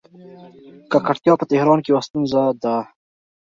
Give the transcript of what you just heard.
ککړتیا په تهران کې یوه ستونزه ده.